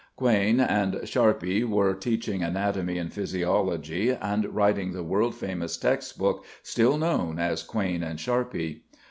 Quain and Sharpey were teaching anatomy and physiology, and writing the world famous text book still known as "Quain and Sharpey."